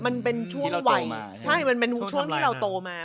มันเป็นช่วงวัยใช่มันเป็นช่วงที่เราโตมา